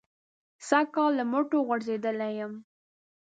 سږ کال له مټو غورځېدلی یم.